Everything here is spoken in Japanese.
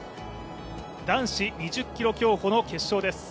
男子２０ｋｍ競歩の決勝です。